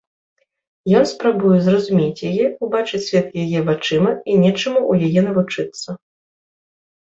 Ён спрабуе зразумець яе, убачыць свет яе вачыма і нечаму ў яе навучыцца.